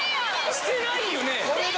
してないよね！